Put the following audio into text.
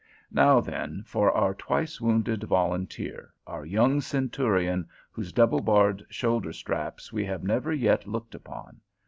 Now, then, for our twice wounded volunteer, our young centurion whose double barred shoulder straps we have never yet looked upon.